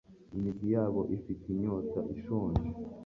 Imizi yabo ifite inyota ishonje